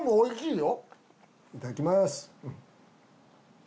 いただきます。